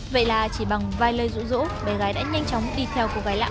vậy là chỉ bằng vài lời rũ rỗ bé gái đã nhanh chóng đi theo cô gái lạ